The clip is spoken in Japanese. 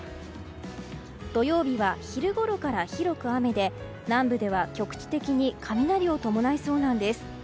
土曜日は、昼ごろから広く雨で南部では局地的に雷を伴いそうなんです。